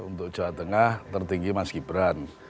untuk jawa tengah tertinggi mas gibran